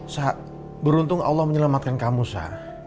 sa beruntung allah menyelamatkan kamu sa